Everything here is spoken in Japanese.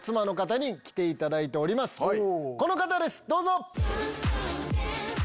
この方ですどうぞ！